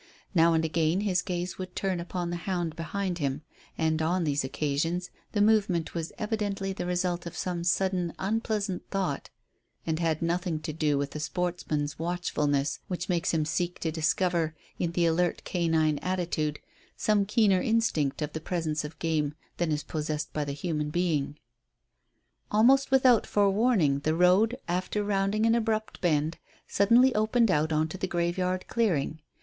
Now and again his gaze would turn upon the hound behind him, and, on these occasions, the movement was evidently the result of some sudden, unpleasant thought, and had nothing to do with the sportsman's watchfulness which makes him seek to discover, in the alert canine attitude, some keener instinct of the presence of game than is possessed by the human being. Almost without forewarning the road, after rounding an abrupt bend, suddenly opened out on to the graveyard clearing.